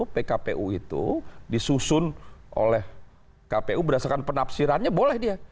pkpu itu disusun oleh kpu berdasarkan penafsirannya boleh dia